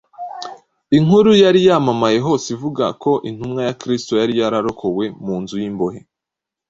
Inkuru yari yamamaye hose ivuga ko intumwa ya Kristo yari yarokowe mu nzu y’imbohe